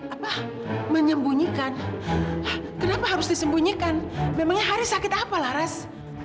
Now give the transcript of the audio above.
apa menyembunyikan kenapa harus disembunyikan memangnya hari sakit apa laras